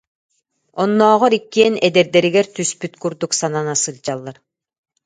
Оннооҕор иккиэн эдэрдэригэр түспүт курдук санана сылдьаллар